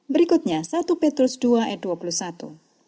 berikutnya satu petrus dua ayat dua puluh satu